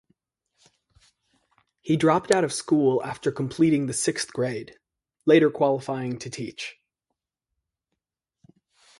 He dropped out of school after completing the sixth grade, later qualifying to teach.